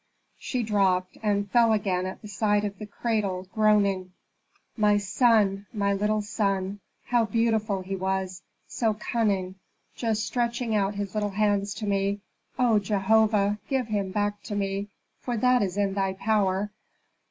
She dropped, and fell again at the side of the cradle, groaning, "My son my little Seti! How beautiful he was, so cunning; just stretching out his little hands to me! O Jehovah! give him back to me, for that is in Thy power.